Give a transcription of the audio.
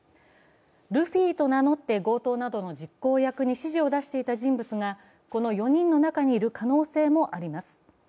ルフィと名乗って強盗などの実行役に支持を出していた人物がこの４人の中にいる可能性もあります。